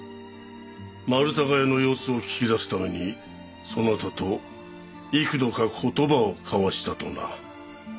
丸高屋の様子を聞き出すためにそなたと幾度か言葉を交わしたとな。